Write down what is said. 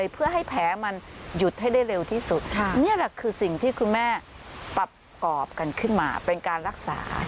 เป็นการรักษา